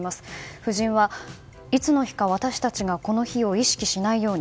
夫人は、いつの日か私たちがこの日を意識しないように。